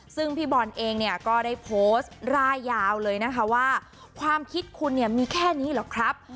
ซึ่งพี่บอลเองเนี่ยก็ได้โพสต์ร่ายยาวเลยนะคะว่าความคิดคุณเนี่ยมีแค่นี้หรอกครับ